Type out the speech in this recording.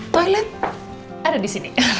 toilet ada disini